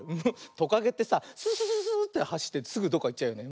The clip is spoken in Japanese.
トカゲってさススススーッてはしってすぐどっかいっちゃうよね。